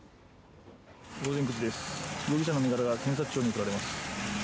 午前９時です、容疑者の身柄が検察庁に送られます。